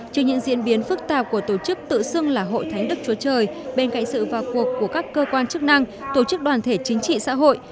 trước những diễn biến phức tạp của tổ chức tự xưng là hội thánh đức chúa trời bên cạnh sự vào cuộc của các cơ quan chức năng tổ chức đoàn thể chính trị xã hội